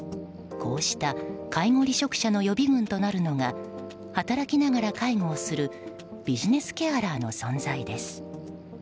こうした介護離職者の予備軍となるのが働きながら介護をするビジネスケアラーの存在です。